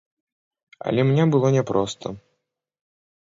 Але мне было няпроста.